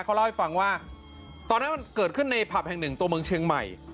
เขาเล่าให้ฟังว่าตอนนั้นมันเกิดขึ้นในผับแห่งหนึ่งตัวเมืองเชียงใหม่